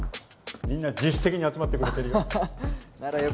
みんな自主的に集まってくれてるよ。